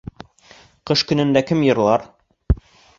Ҡыш көнөндә кем йырлар?